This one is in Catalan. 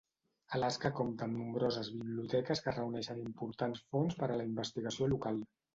Alaska compta amb nombroses biblioteques que reuneixen importants fons per a la investigació local.